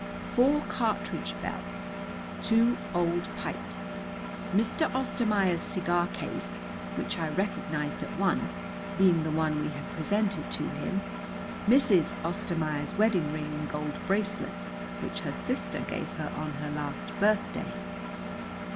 Four cartridge belts. Two old pipes. Mr. Ostermaier's cigar case, which I recognized at once, being the one we had presented to him. Mrs. Ostermaier's wedding ring and gold bracelet, which her sister gave her on her last birthday.